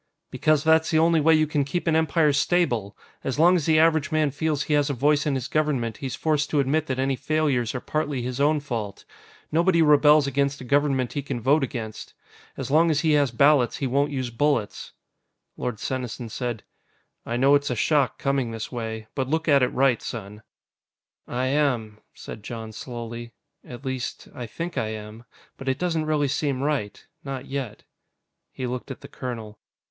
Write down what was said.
"Because that's the only way you can keep an Empire stable! As long as the average man feels he has a voice in his Government, he's forced to admit that any failures are partly his own fault. Nobody rebels against a government he can vote against. As long as he has ballots, he won't use bullets." Lord Senesin said: "I know it's a shock, coming this way. But look at it right, son." "I am," said Jon slowly. "At least, I think I am. But it doesn't really seem right. Not yet." He looked at the colonel.